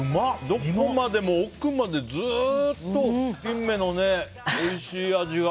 どこまでも奥までずっとキンメのおいしい味が。